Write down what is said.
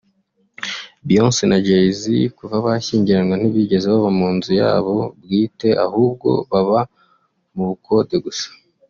Beyonce na Jay Z kuva bashyingiranwa ntibigeze baba mu nzu yabo bwite ahubwo baba mu bukode gusa